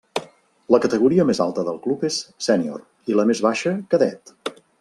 La categoria més alta del club és sènior i la més baixa cadet.